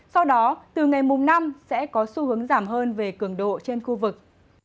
sau đó từ ngày mùng năm sẽ có xu hướng giảm hơn về cường độ trên khu vực